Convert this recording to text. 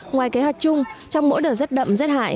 ngoài kế hoạch chung trong mỗi đợt xét đậm xét hại